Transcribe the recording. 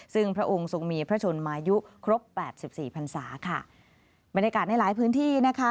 ซึ่งพระองค์ทรงมีพระชนมายุครบแปดสิบสี่พันศาค่ะบรรยากาศในหลายพื้นที่นะคะ